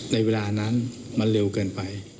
ในเวลานั้นมันเร็วเกินไป